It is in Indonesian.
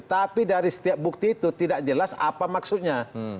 tapi dari setiap bukti itu tidak jelas apa maksudnya